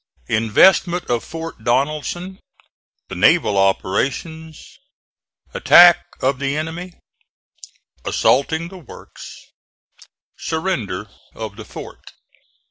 INVESTMENT OF FORT DONELSON THE NAVAL OPERATIONS ATTACK OF THE ENEMY ASSAULTING THE WORKS SURRENDER OF THE FORT.